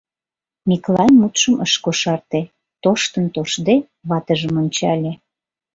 — Миклай мутшым ыш кошарте, тоштын-тоштде, ватыжым ончале.